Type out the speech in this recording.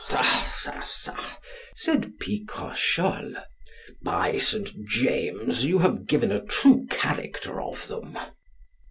Sa, sa, sa, said Picrochole, by St. James you have given a true character of them.